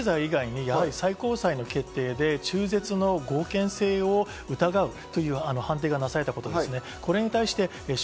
今回一つ大きかったのは経済以外に最高裁の決定で中絶の合憲性を疑うという判定がなされたことですね。